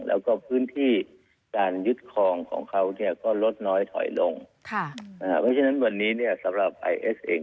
แล้วก็พื้นที่การยึดคลองของเขาก็ลดน้อยถอยลง